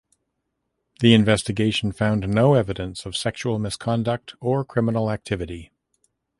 The investigation found no evidence of sexual misconduct or criminal activity.